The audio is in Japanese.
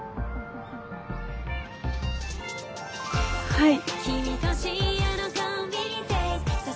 はい。